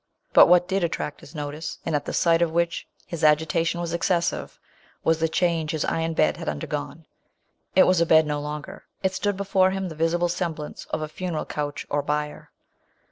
But what did attract his no tice, and at the sight of which his agi tation was excessive, was the change his iron bed had undergone. It was a bed no longer. It stood before him, the visible semblance of a funeral couch or bier